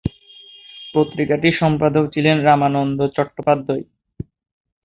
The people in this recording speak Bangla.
পত্রিকাটির সম্পাদক ছিলেন রামানন্দ চট্টোপাধ্যায়।